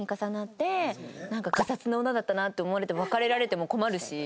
なんかガサツな女だったなって思われて別れられても困るし。